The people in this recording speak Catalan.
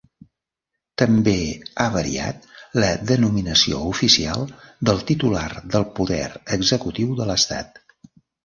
També ha variat la denominació oficial del titular del poder executiu de l'estat.